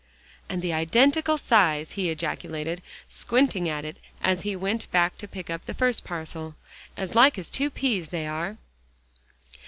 "And the i dentical size," he ejaculated, squinting at it as he went back to pick up the first parcel, "as like as two peas, they are."